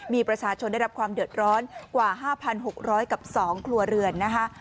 มีประชาชนได้รับความเดือดร้อนกว่า๕๖๐๐กับ๒ครัวเรือนนะคะ